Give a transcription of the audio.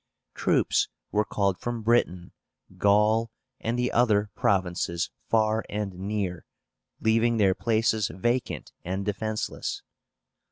Troops were called from Britain, Gaul, and the other provinces far and near, leaving their places vacant and defenceless.